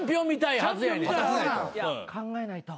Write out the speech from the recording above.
いや考えないと。